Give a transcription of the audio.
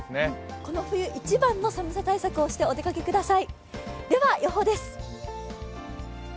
この冬一番の寒さ対策をしてお出かけください。